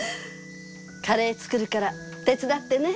カレー作るから手伝ってね。